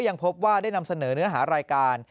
ยังพบว่าได้นำเสนอเนื้อหารายการ